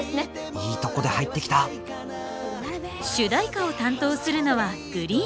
いいとこで入ってきた主題歌を担当するのはＧＲｅｅｅｅＮ。